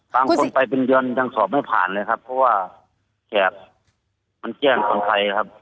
บางคนไปเป็นเดือนยังสอบไม่ผ่านเลยครับเพราะว่าแขกมันแจ้งคนไทยครับ